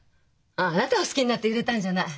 ああなたを好きになって揺れたんじゃない。